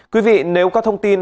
quý vị nếu có thông tin